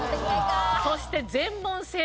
そして。